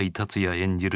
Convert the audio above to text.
演じる